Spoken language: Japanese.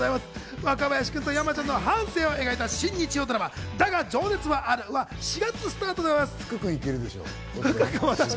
若林君と山ちゃんの半生を描いた新日曜ドラマ『だが、情熱はある』は４月スタートでございます。